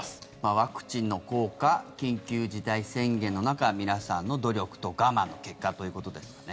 ワクチンの効果緊急事態宣言の中皆さんの努力と我慢の結果ということですよね。